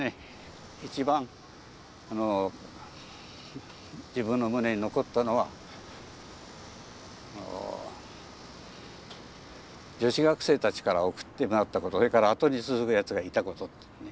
一番自分の胸に残ったのは女子学生たちから送ってもらったことそれから後に続くやつがいたこと。